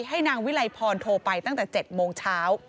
ให้นางวิลัยพรโทรไปตั้งแต่๗โมงเช้า